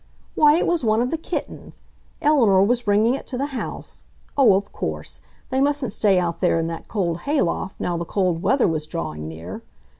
Why, it was one of the kittens! Eleanor was bringing it to the house. Oh, of course! they mustn't stay out there in that cold hay loft now the cold weather was drawing near.